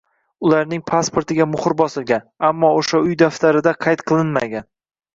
Ularning pasportiga muhr bosilgan, ammo, o`sha Uy darftarida qayd qilinmagan